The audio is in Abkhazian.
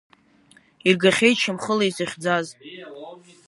Иргахьеит шьамхыла изыхьӡаз.